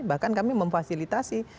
bahkan kami memfasilitasi